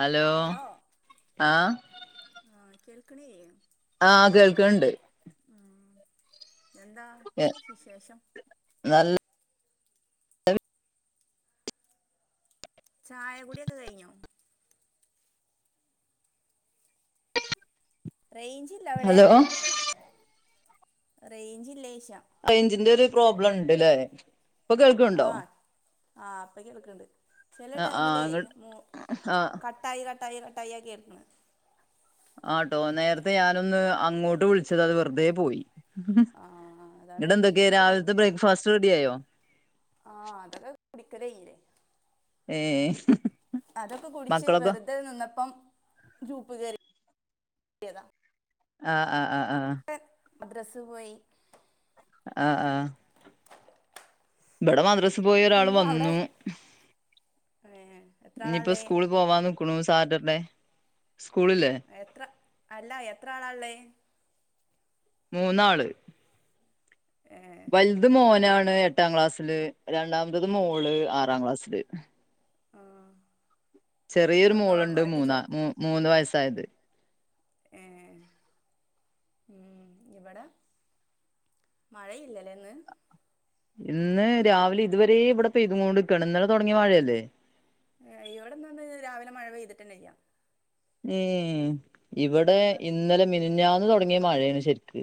Hello ആഹ് ആഹ് കേൾക്കണില്ലേ ആഹഹ് കേൾക്കിണ്ട് ഉം എന്താ എ വിശേഷം നല്ല.. ചായ കുടി ഒക്കെ കഴിഞ്ഞോ റേഞ്ച് ഇല്ലേ അവിടെ ഹലോ റേഞ്ച് ഇല്ലേ ചോയ്ക്ക അ റേഞ്ചിന്റെ ഒരു പ്രോബ്ലം ഇണ്ട്ല്ലേ ഇപ്പൊ കേൾക്ക്ണ്ടോ ആഹ് ഇപ്പൊ കേൾക്ക്ണ്ട് ചില ആഹ് ആഹ് ടൈമിലെ ഇങ്ങ മു ആഹ് കട്ട്‌ കട്ടായി കട്ടായി കട്ടായ കേൾക്കുന്നത് ആട്ടോ നേരത്തെ ഞാനൊന്ന് അങ്ങോട്ട് വിളിച്ചത് അത് വെറുതെ പോയി ആ അതാണ് ന്നട്ട് എന്തൊക്കെയ ഇപ്പൊ രാവിലത്തെ ബ്രേക്ക്ഫാസ്റ്റ് റെഡി ആയോ ആഹ് അതൊക്കെ കുടിക്കൽ കഴിഞ്ഞില്ലേ ഏഹ് അതൊക്കെ കുടിച്ച് മക്കളൊക്കെ വെറുതെ നിന്നപ്പം ഗ്രൂപ്പ്‌ കേറിയതാ ആഹ് ആഹ് ആഹ് ആഹ് മദ്രസ പോയി ആഹആ. ഇബടെ മദ്രസ് പോയി ഒരാൾ പിന്നെ അവിടെ വന്നു ഏ എത്ര ഞ്ഞിപ്പോ ആളാള്ളേ സ്കൂൾ.. പോവാ നിക്കുണു. സാറ്റർഡേ സ്കൂളില്ലേ.. എത്ര, അല്ല എത്ര, ആളാ ള്ളഹ് മൂന്നാള്.. ഏഹ് വൽത് പെ മോനാണ് എട്ടാക്ലാസ്സില്. രണ്ടാമത്തത് മോള് ആറാ ക്ലാസ്സില്.. ആഹ.. ചെറിയൊരു മോളുണ്ട് മൂന്നാ ചെറു മൂന്ന് വയസ്സായത്.. ഏഹെ. മ്മ്ഹ്. ഇവടെ.. മഴയില്ലലേന്ന്.. ഇന്ന് രാവിലെ ഇതുവരെ ഇവിടെ പെയ്ത് കൊണ്ട്ക്ണ്. ഇന്നലെ തൊടങ്ങിയ. മഴയല്ലേ.. ഏ. ഇവിടെന്നൊന്ന് രാവിലെ മഴ പെയ്തിട്ടന്നല്ല്യ.. യേം. ഇവിടെ ഇയ്യോ ഇന്നലെ മിനിഞ്ഞാന്ന് തൊടങ്ങിയ. മഴണ് ശരിക്ക്..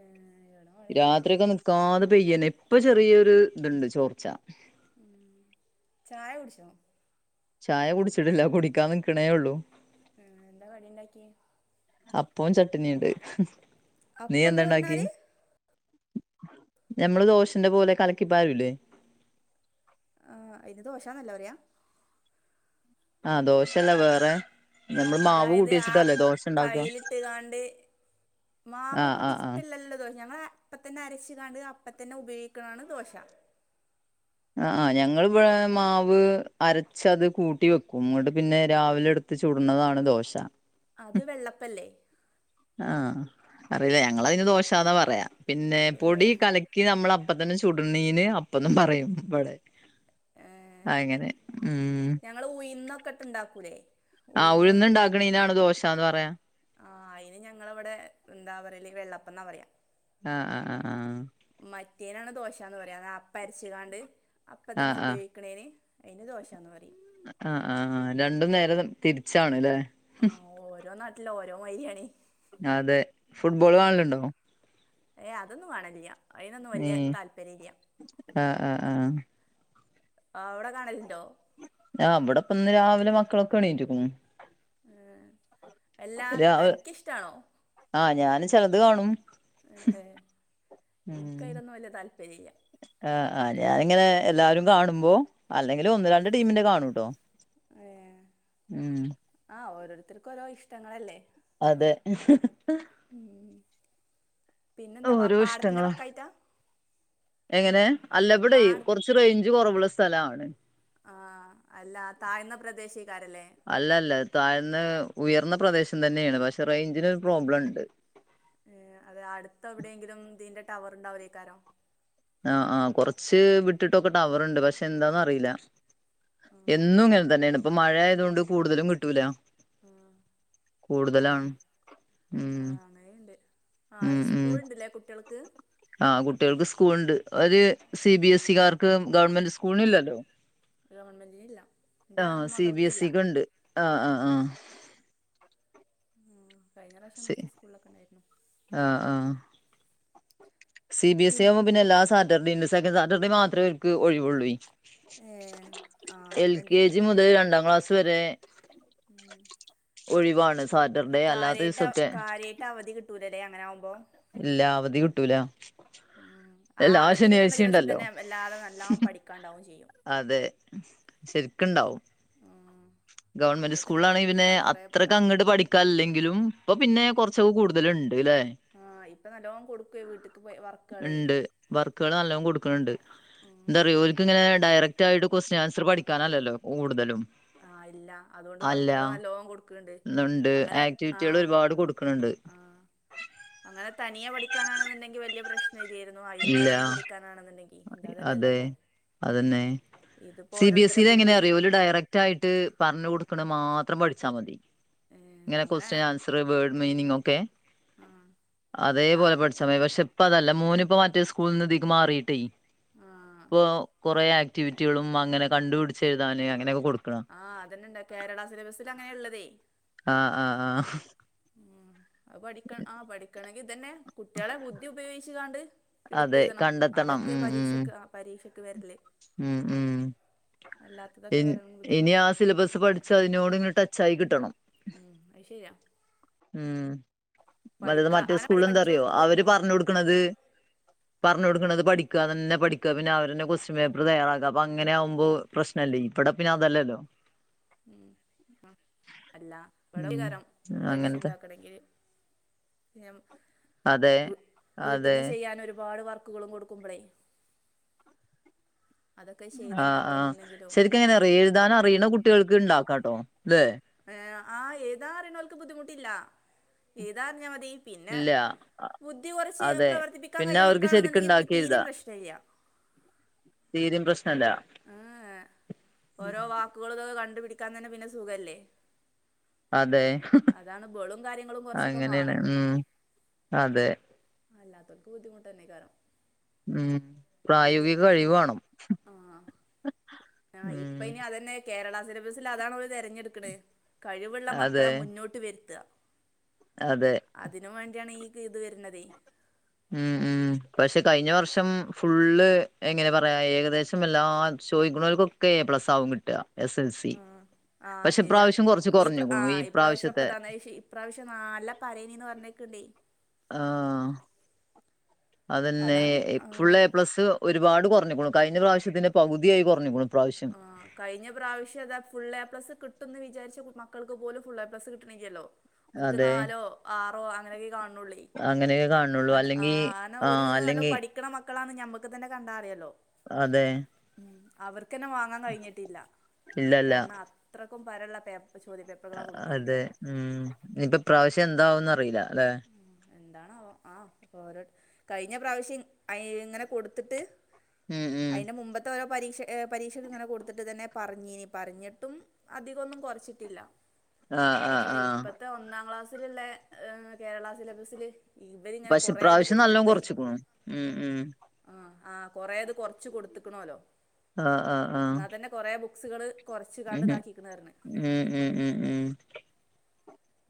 ഏഹ് ഇവിടെ മഴയില്ലേനി രാത്രി കൊന്ന്.. കാതെ പെയ്യന്നെ ഇപ്പൊ ചെറിയൊരു ഇത്ണ്ട് ചോർച്ച.. മ്മ്ഹ്. ചായ കുടിച്ചോ.. ചായ കുടിച്ചിട്ടില്ല കുടിക്കാനിക്ക്ണേഒ ള്ളൂ.. ഹ് ഹെ. എന്താ കടിണ്ടാക്കി? അപ്പോം, ചട്ട്നീണ്ട്. ഹ്ഹ്. നീ അപ്പന്ന് എന്താണ്ടാക്കി.. പറഞ്ഞാല് നമ്മള് ദോഷന്റെ പോലെ കലക്കിപ്പാരുലേ.. ആ അയ്‌ന് ദോശാന്നല്ലപറയാ.. ആ. ദോശല്ലേ. വേറെ.. നമ്മള് മാവ് അതായത് കൂട്ടി ആ വെച്ചിട്ടല്ലേ ദോശ ഉണ്ടാക്കുക കൈയിലിട്ട്കാണ്ട്.. ആ മാവ് ആ കൂട്ടി ആ ഇഷ്ടല്ലല്ലോ ദോഷ്. ഞങ്ങളെ. അപ്പംത്തന്നെ അരച് കാണ്ട് അപ്പംത്തന്നെ ഉപയോയിക്ണാണ് ദോശ.. ആ, ആ. ഞങ്ങൾ ഇവടെ മാവ് അരച്ചത് കൂട്ടി വെക്കും ഇങ്ങട്ട് പിന്നെ രാവിലെ എട്.. ത്. ചൂടുന്നതാണ്. ദോശ.. അത് വെള്ളപ്പല്ലേ.. ആഹ. അറീല ഞങ്ങളയിന് ദോഷാന്നാ പറയാ പിന്നെ പൊടി ഏഹ് കല.. കി നമ്മൾ അപ്പ തന്നെ ചുടണ്ണീന് അപ്പൊന്നും പറയും. ഇബടെ.. അങ്ങനെ മ്മ്ഹ്.. ങ്ങൾ ഉയിന്നൊക്കെട്ട് ണ്ടാക്കൂലേ.. ആഹ ഉഴുന്നുണ്ടകണീനാണ്. ദോശന്ന് പറയാ. ആ, അയിന് ഞങ്ങളവിടെ എന്താ പറയല് വെള്ളപ്പന്നാ പറയാ.. ആ -ആ- ആ -ആഹ.. മറ്റേയിനാണ് ദോശന്ന് പറയാ അപ്പ അരച്കാണ്ട്. അപ്പ ആഹ് ആഹ് തന്നെ ആഹ് ഉപയേ... ക്ണേന്. അയിന് ദോശയാന്ന് പറയും.. അ ആ. രണ്ടും നേരെ തിരിച്ചാണ്ലേ.. ആഹ ഓരോ നാട്ടില് ഓരോ മായിരിആണ്.. അതെ ഫുട്ബോൾ കാണലുണ്ടോ.. ഏയ് അതൊന്നും കാണലില്ല.. അയിനനൊന്നും നീ വല്ല്യ. താല്പര്യല്ല്യ.. ആഹ് ആഹ് ആഹ് ആ. അവടെ കാണൽന്ടോ.. ആ ഇബടെപ്പന്ന് രാവിലെ മക്കളൊക്കെ എണീറ്റ്ക്ണു. ഏ എല്ലാ രാവ് തനിക്കിഷ്ടാണോ.. ആ ഞാന് ചെലത് കാണും.. ഏഹ്. ഇന്ക് അയിലൊന്നും വല്യ താല്പര്യല്യ.. ആഹ ഞാാനിങ്ങനെ എല്ലാരും കാണുമ്പോ.. അല്ലെങ്കില് ഒന്ന് രണ്ട് ടീമിന്റെ കാണൂട്ടോ.. ആ ഓരോരുത്തര്ക് ഓരോ ഇഷ്ടങ്ങളല്ലേ.. അതെ [unintelligible] ഉം പിന്നെന്താ വാ ഓരോ പാടത്തിന്റെ ഇഷ്ടങ്ങളാ വക്കായിട്ടാ എങ്ങനെ അല്ല ഇവിടെ പാട് കുറച്ച് റേഞ്ച് കുറവുള്ള സ്ഥലാണ് ആ അല്ല താഴ്ന്ന പ്രദേശേക്കാരല്ലേ അല്ലല്ല താഴ്ന്ന് ഉയർന്ന പ്രദേശം തന്നെയാണ് പക്ഷെ റേഞ്ചിന് ഒരു പ്രോബ്ലം ഉണ്ട് ഏ അതെ അടുത്ത് എവിടെയെങ്കിലും തിന്റെ ടവർ ഉണ്ടാവൂലേക്കാരം ആ ആ കുറച്ച് വിട്ട്ട്ടോക്കെ ടവർ ഉണ്ട് പക്ഷെ എന്താന്നറില്ല എന്നും ആഹ് ഇങ്ങനെ തന്നെയാണ് ഇപ്പ മഴ ആയതുകൊണ്ട് കൂടുതലും കിട്ടൂല ആ കൂടുതലാണ് ആ ഉം അങ്ങനെയുണ്ട് ആ ഉം ഉം ഇസ്കൂൾ ണ്ട്ല്ലേ കുട്ട്യാൾക് ആ കുട്ടികൾക്ക് സ്കൂൾ ഉണ്ട് ഒര് സി ബി എസ് ഇകാർക്ക് ഗവൺമെന്റ് സ്കൂളിനി ല്ലല്ലോ ഗവർമെൻറിന് ഇല്ല ൻ്റെ ആഹ് സി ബി എസ് മകൾക്കില്ല സിക്ക്ണ്ട് ആഹ് ആ ആഹ് ആഹ് ഉം കഴിഞ്ഞ പ്രാവശ്യം സി വിളിച്ച സ്കൂളിലൊക്കെ ഉണ്ടായിരുന്നു ആഹ് ആഹ് സി ബി എ സി പിൻ ആവുമ്പോ പിന്നെ എല്ലാ സാറ്റർഡേണ്ട് സെക്കൻഡ് സാറ്റർഡേ മാത്രം ഒഴിവള്ളൂ ഏഹ് ആഹ് എൽ അങ്ങനെണ്ട് കെ ജി മുതൽ രണ്ടാം ക്ലാസ് വരെ ഉം ഒഴിവാണ് സാ കാര്യായിട്ട് കാര്യായിട്ട് അവധി കിട്ടൂലലെ അങ്ങനെ ആകുമ്പോ ഇല്ല അവധി കിട്ടൂല ഉം ആ എല്ലാ അവധി കിട്ടണ ശനിയാഴ്ചയും ദിവസം ഉണ്ടല്ലോ തന്നെ വല്ലാതെ നല്ലോം പഠിക്കാണ്ടാവും ചെയ്യും അതെ ശരിക്ക്ണ്ടാവും ആഹ് ഗവൺമെന്റ് സ്കൂളിലാണെങ്കിൽ പിന്നെ ഇതാ അത്രക്കങ്ങട് പഠിക്കാല്ലെങ്കിലും ഇപ്പൊ പിന്നെ കുറ ചൊക്കെ കൂടുതലുണ്ട് ല്ലേ ആഹ് ഇപ്പൊ നല്ലോണം കൊടുക്കുവേ വീട്ടിക്ക് പോയി വർക്ക് ണ്ട് വർക്കുകൾ നല്ലോണം കൊടുക്കണണ്ട് ഉം എന്താറിയോ ഓൽക്ക് ഇങ്ങനെ ഡയറക് ആയിട്ട് ക്വസ്റ്റ്യൻ ആൻസർ പഠിക്കാനല്ലോ കൂടുതലും ആഹ് ഇല്ല അതുകൊണ്ട് അല്ല വർക്കുകള് നല്ലോണം കൊടുക്ക്ണ്ട് അങ്ങനെ ആഹ് അട് കൊടുക്കണണ്ട് ആഹ് അങ്ങനെ തനിയെ പഠിക്കാനാണെന്നുണ്ടെങ്കിൽ വലിയ പ്രശ്നം യായിരുന്നു ഇല്ല അതിലുള്ളത് തന്നെ പഠിക്കാനാണെന്നുണ്ടെങ്കിൽ ഇതതല്ലല്ലോ അതെ ഇപ്പം അതന്നെ ഇതിപ്പോ സി ബി എസ് ഓരോരുത്തരുടെ ഇൽ എങ്ങനെ ബുദ്ധി അറിയോ ഓൽ ഡയറക്ട് ആയിട്ട് പറഞ്ഞ് കൊടുക്കുണ് മാത്രം പഠിച്ച മതി ഏ ഇങ്ങനെ അങ്ങനെ ക്വസ്റ്റൻ ആൻസർ വേർഡ് മീനിംഗ് ഒക്കെ അതെ ആ ആ പോലെ പഠി സമയ പക്ഷെ ഇപ്പൊ അതല്ല മോൻ ഇപ്പോ മറ്റേ സ്കൂളിന്ന് ഇതീക് മാറിയിട്ടെ ഇപ്പോ ആ കുറേ ആക്ടിവിറ്റികളും അങ്ങനെ കണ്ടുപിടിചെഴുതാന് അങ്ങനെയൊക്കെ കൊടുക്കും ആഹ് അതന്നെണ്ടാ കേരള സിലബസിൽ അങ്ങനെയള്ളതെ ആഹ് ആഹ് ആഹ് ഉം അത് പഠിക്ക ആഹ് പഠിക്കണെങ്കി ഇതന്നെ കുട്ടികളെ ബുദ്ധി ഉപയോഗിച്ചുകാണ്ട് എടുത്ത് അതെ എഴുതണം കണ്ടെത്തണം അതൊക്കെ ഉം ഉം പരീക്ഷയ്ക്ക് ആഹ് പരീക്ഷ ഉം ഉം ഇ അല്ലാത്തതൊക്കെ വരാൻ ഇനി ബുദ്ധിമുട്ടാ ആ സിലബസ് പഠിച്ച അതിനോട് ഇങ് ടച്ചായി കിട്ടണം ഉം അയ്ശരിയ ഉം അതത് പഠിക്കാ മറ്റേ അങ്ങനെ സ്കൂളിൽ എന്താറിയോ പഠിച്ചോൽക്ക് ബു അവര് ഉം പറഞ്ഞു കൊടുക്കണത് പറഞ്ഞ കൊടുക്കണത് പഠിക്ക അതന്നെ പഠിക്ക പിന്നെ അവരന്നെ ക്വസ്റ്റൻ പേപ്പർ തയ്യറാക്ക അപ്പോ അങ്ങനെ ആകുമ്പോ പ്രശ് ല്ല ഇവിടെ പിന്നെ അതല്ലല്ലോ ഉം അങ്ങനത്തെ പഠിച്ചുണ്ടാക്കണങ്കില് പിന്നെ അതെ അതെ വീട്ടിന്ന് ചെയ്യാനൊരുപാട് വർക്ക് ക്കുളും കൊടുക്കുമ്പളേ അതൊക്കെ ആഹ് ആഹ് ചെയ്ത്ണ്ടാക്കണംന്ന്ണ്ടെങ്കിലും ശരിക്കങ്ങനെറിയോ എഴുതാൻ അറിയണ കുട്ടികൾക്ക് ഉണ്ടാക്കാംട്ടോ ല്ലെ ഏഹ് ആ എയുദണയുന്ന താറിഞ്ഞ അവൾക്ക് ബുദ്ധിമുട്ടില്ല ഏതാ അറിഞ്ഞാ മതി പിന്നെ ഇല്ല അ- ബുദ്ധി കുറച്ച് അതെ പ്രവർത്തിപ്പിക്കാൻ പിന്നെ അവർക്ക് ശരിക്കും കഴിയുനോൽക്കാണെന്നുണ്ടെങ്കിൽ ഇണ്ടാക്കി തീരയും പ്രശ്നംല്ല തീരിം പ്രശ്നല്ല ആഏ ഓരോ വാക്കുകളൊതൊക്കെ കണ്ടുപിടിക്കാൻ തന്നെ പിന്നെ സുഖല്ലേ അതെ അതാണ് ബേളും കാര്യങ്ങളും കുറച്ചൊക്കെ അങ്ങനെയാണ് വാണം ഉം അതെ അല്ലാതോൽക് ബുദ്ധിമുട്ടന്നയ്‌കാരം ഉം പ്രായോഗിക കഴിവ്വേണം ആഹ് ആഹ് ഇപ്പൊ ഇനി അതന്നെ കേരള സിലബസിൽ അതാണോല് തെരഞ്ഞെടുക്കണേ കഴിവുള്ള അതെ മക്കളെ മുന്നോട്ട് വരുത്ത അതെ അതിനു വേണ്ടിയാണ് ഈ ഇത് വരുന്നത ഉം ഉം പക്ഷെ കഴിഞ്ഞ വർഷം ഫുള്ള് എങ്ങനെ പറയാ ഏകദേശം എല്ലാ ചോയ്ക്കുണവർക്കൊക്കെ പ്ലസ് ആവും കിട്ടുക എസ് എൽ സി ഉം ആഹ് പക്ഷെ ശരിയാ ഇപ്രാവശ്യം കുറച്ച് ഈ കുറഞ്ഞുക്കുണു ഈ ആഹ് ഈപ്രാവശ്യൊക്ക പ്രാവശ്യത്തെ [unintelligible] ഇപ്രാവശ്യം നല്ല പരെനിന്ന് പറഞ്ഞേക്ക്ണ്ടേ ആഹ് അതന്നെ അതാണ് ആ ഫുൾ എ പ്ലസ് ഒരുപാട് കൊറഞ്ഞിക്കുണു കഴിഞ്ഞ പ്രാവശ്യത്തിന്റെ പകുതിയായി കൊറഞ്ഞിക്കുണു ഇപ്രാവശ്യം. ആഹ് കഴിഞ്ഞ പ്രാവശ്യം ഇതാ ഫുൾ എ പ്ലസ് കിട്ടുമ്ന്ന് വിചാരിച്ച മക്കൾക്ക് പോലും ഫുൾ എ പ്ലസ് കിട്ടിണില്ലല്ലോ ഓൽക്ക് അതെ നാലോ ആറോ അങ്ങനെയൊക്കെ കാണുള്ളുവെ അങ്ങനെയേ കാണുള്ളൂ അതന്നെ അല്ലെങ്കി ആഹ് ഒരു വിധം നല്ല പഠിക്കണ മക്കളാന്ന് ഞമ്മക്ക് തന്നെ കണ്ടാ അറിയല്ലോ അതെ ഉം അവർക്കന്നെ വാങ്ങാൻ കഴിഞ്ഞിട്ടില്ല. ഇല്ലല്ല കാരണം അത്രക്കും പരള്ള പേപ് അതെ ഉം ഇനിപ്പ പ്രാവശ്യം എന്താവുംന്ന് അറിയില്ലല്ലേ എന്താണവോ ആഹ് അപ്പ ഓരോ കഴിഞ്ഞ പ്രാവശ്യം അയ് ഇങ്ങനെ കൊട്ത്തിട്ട് ഉം ഉം അയിന്റെ മുമ്പത്തെ ഓരോ പരീക്ഷ ഏഹ് പരീക്ഷയ്ക്ക് ഇങ്ങനെ കൊടുത്തിട്ട് തന്നെ പറഞ്ഞീനി പറഞ്ഞിട്ടും അധികോന്നും കൊറച്ചിട്ടില്ല ആഹ് ആഹ് പക്ഷെ ആഹ് ഇപ്പത്തെ ഒന്നാം ക്ലാസ്സിലുള്ളെ ഏഹ് കേരള സിലബസില് ഇവരിങ്ങനെ പക്ഷെ കൊറേത് ഇപ്രാവശ്യം നല്ലോം കൊടുത്തിപ്പ്ളെ കൊറച്ച്ക്ക്ണു ഉം ഉം ആഹ് ആഹ് കൊറേത് കൊറച്ച് കൊടുത്ത്ക്ക്ണോല്ലോ ആഹ് ആഹ് ആഹ് ന്നാ തന്നെ കൊറെ ബുക്സുകള് കൊറച്ച് കാണ്ട് ഉം ഇതാക്കിക്ക്ണ് പറഞ്ഞ് ഉം ഉം ഉം ഉം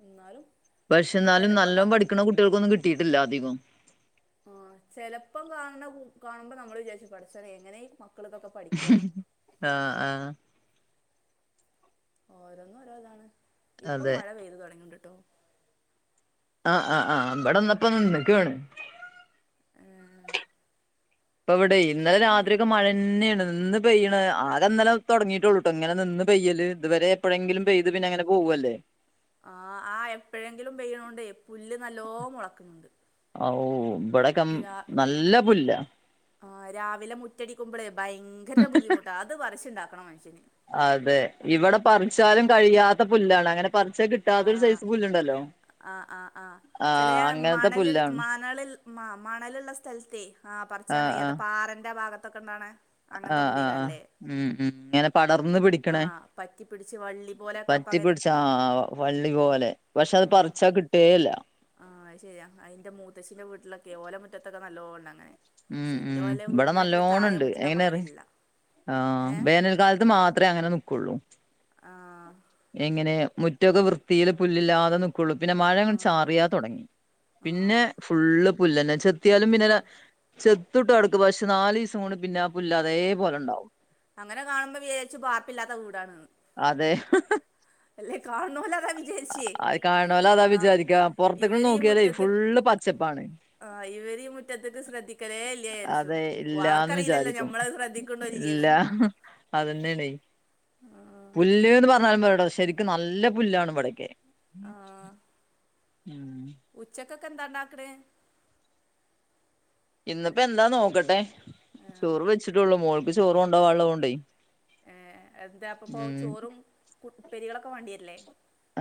എന്നാലും പക്ഷെ ന്നാലും ചെലപ്പോ ക നല്ലോ പഠിക്കണ കുട്ടികൾക്കൊന്നും കിട്ടിട്ടില്ല അധികോം ആഹ് ചെലപ്പം കാണ കാണുമ്പോ നമ്മൾ വിചാരിച്ചു പടച്ചോനെ എങ്ങനെ ഈ മക്കളൊക്കെ പഠിക്ക ആഹ് ആഹ് ഓരോന്നും ഓരോ ഇതാണ് ഇപ്പം അതെ മഴ പെയ്ത് തൊടങ്ങ്ണ്ട്ട്ടോ ആഹ് ആഹ് ആഹ് ഇബടെന്നപ്പ നിന്ന്ക്കാണ് ഏഹ് ഇപ്പവിടെ ഇന്നലെ രാത്രിക്കെ മഴന്നെണ് ഇന്ന് പെയ്യാണ് ആകന്നലെ തൊടങ്ങിട്ടോളൂട്ടോ ഇങ്ങനെ നിന്ന് പെയ്യല് ഇതുവരെ. എപ്പോഴെങ്കിലും പെയ്ത് പിന്നെ അങ്ങനെ പോകുവല്ലേ ആഹ് ആഹ് എപ്പോഴെങ്കിലും പെയ്യണോണ്ടെ പുല്ല് നല്ലോ മൊളക്കക്ക്ണ്‌ണ്ട് ആ ഉം ഇബടെ ര ആഹ് രാവിലെ മുറ്റടിക്കുമ്പളെ ഭയങ്കര ബുദ്ധിമു ട്ടാ അത് പറിച്ചുണ്ടാക്കണം മനുഷ്യന് അതെ ഇവിടെ പറീച്ചാലും കഴിയാത്ത പുല്ലാണ് അങ്ങനെ പറിച്ച കിട്ടാത്തൊരു സൈസ് പുല്ല്ണ്ടല്ലോ. ആഹ് ആഹ് ആഹ് ചേലെ മണലിൽ പുല്ലാണ് മണളിൽ. മ മണല്ള്ള സ്ഥലത്തേ ആഹ് പറിച്ചാൻ കഴിയാത്ത പറേന്റെ ഭാഗത്തൊക്കെ ന്താണ് ആഹ് ആഹ് ആഹ് ഉം ഉം ഇങ്ങനെ പടർന്ന് ആ പിടിക്കണേ. പറ്റി പിടിച്ച് വള്ളി പോലെയൊക്കെ പകര കത്തിപ്പിടിച്ച ആഹ് ആഹ് വള്ളി പോലെ പക്ഷെ അത് ആ പറിച്ച കിട്ടേയില്ല. ആഹ് ശരിയാ അയിന്റെ മൂത്തശിന്റെ വീട്ടിലൊക്കെ ഓല മുറ്റത്തൊക്കെ നല്ലോണ്ണ് അങ്ങനെ. ഉം ക്ഷെ ഇന്റെ ഉം പോലെ വീട് ഇവിടെ നാട്ടില് നല്ലോണം തായെ ഉണ്ട് വീട്ടിലാവുമ്പാ എങ്ങനെ അങ്ങനെ അറിയോ ഇല്ല. ആഹ് ഏഹ് വേനൽക്കാലത്ത് മാത്രമേ അങ്ങനെ നിക്കോള്ളു. ആഹ്. എങ്ങനെ മുറ്റൊക്കെ വൃത്തീല് പുല്ലില്ലാതെ നി ക്കുള്ളു പിന്നെ മഴങ്ങ് ആഹ് ചാറിയാ തുടങ്ങി പിന്നെ ആഹ് ഫുള്ള് പുല്ലന്നേ ചെ ത്തിയാലും പിന്നെ ചെത്തുട്ടോ എടക്ക് പക്ഷെ നാലീസംകൊണ്ട് പിന്നെ ആ പുല്ല് അതേപോലെ ഉണ്ടാവും. അങ്ങനെ കാണുമ്പോ വിചാരിച്ചു പാർപ്പില്ലാത്ത വീടാണ്ന്ന്. അതെ അല്ലേ കാണുന്നോലെ അതാവി അഹ് കാണുന്നോല് അതാ വിചാരിക്കാ പൊറത്തേക്ക് ഇവര് ഈ നോക്കിയാലേ മുറ്റത്ത് ഫുള്ള് പച്ചപ്പാണ്. ആഹ് ഇവര് ഈ മുറ്റത്തേക്ക് ശ്രദ്ധിക്കലേ ഇല്ല വിചാരിച്ചു. അതെ ഓ ഇല്ലാന്ന് അവർക്കറിയില്ലല്ലോ ഞമ്മൾ അത് ശ്രദ്ധിക്കണ്ടോ ഇല്ല്യേന്ന്. ഉം അതന്നാണെ ആഹ് പുല്ല്ന്ന് പറഞ്ഞാലിവടെ ശെരിക്കും നല്ല പുല്ലാണിവടെ. കെ. ആഹ് ഉം ഉച്ചക്കൊക്കെ എന്താണ്ടുക്കണ് ഇന്നിപ്പ എന്താ നോക്കട്ടെ ആഹ് ചോറ് വെച്ചിട്ടുള്ളൂ മോൾക്ക് ചോറു കൊണ്ടോവാലോണ്ടെ ഏഹ് എന്താ അപ്പപ്പോ ചോറും കു ഉപ്പേരിയോളൊക്കെ വേണ്ടിവരില്ലേ.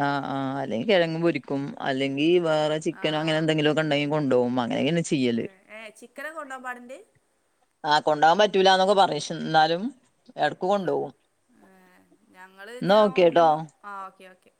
ആഹ് ആഹ് അല്ലെങ്കിൽ കിഴങ്ങു പൊരിക്കും അല്ലെങ്കിൽ വേറെ ആ ചിക്കനോ അങ്ങനെ എന്തെങ്കിലു ഒക്കെ ഇണ്ടെങ്കി കൊണ്ടോവും. എങ്ങനെ ചെയ്യല്. ഏഹ് ചിക്കന് ഒക്കെ കൊണ്ടോവാൻ പാടിണ്ട്. ആഹ് കൊണ്ടാകാൻ പറ്റൂല എന്നൊക്കെ പറഞ്ഞ് ശ് ന്നാലും. ഇടക്ക് ഏ, കൊണ്ടോവും ഏ, എന്നാ ഓക്കെ ട്ടൊ. ആഹ് ഓക്കെ ഓക്കെ.